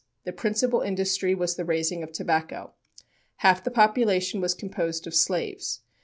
The principal industry was the raising of tobacco. Half the population was composed of slaves.